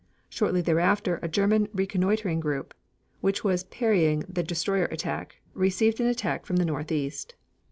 Shortly thereafter a German reconnoitering group, which was parrying the destroyer attack, received an attack from the northeast.